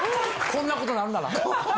こんなことなるんなら。